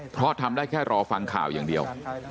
เพราะทำได้แค่รอฟังข่าวอย่างเดียว